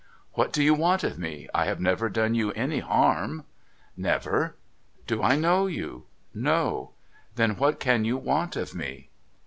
' What do you want of me ? I have never done you any harm ?'' Never.' ' Do I know you ?'' No.' ' Then what can you want of me